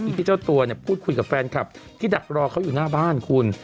ที่เจ้าตัวเนี่ยพูดคุยกับแฟนคลับที่ดักรอเขาอยู่หน้าบ้านคุณ